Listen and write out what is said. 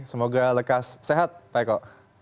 semoga lekas sehat pak eko